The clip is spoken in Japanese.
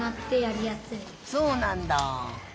そうなんだ。